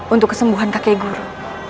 untuk kesembuhan kakek guru